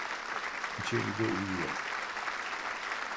İçeride uyuyor.